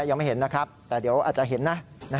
ยังไม่เห็นนะครับแต่เดี๋ยวอาจจะเห็นนะ